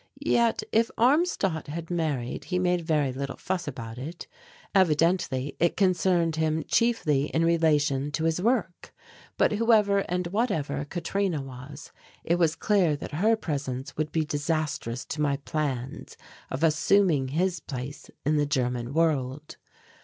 Yet, if Armstadt had married he made very little fuss about it. Evidently it concerned him chiefly in relation to his work. But whoever and whatever Katrina was, it was clear that her presence would be disastrous to my plans of assuming his place in the German world.